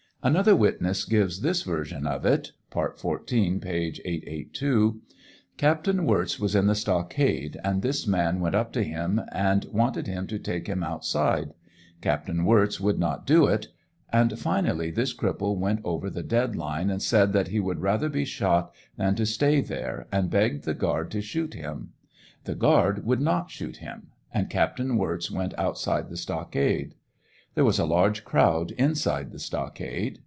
Another witness gives this version of it, (part 14, page 582:1 Captain Wirz was in the stockade, and this man went up to him and wanted him to take him outside. Captain Wirz would not do it, and finally this cripple went over the dead line and said that he would rather be shot than to stay there, and begged the guard to shoot him. The guard would not shoot him, and Captain Wirz went outside the stockade. There was a large crowd inside the stockade.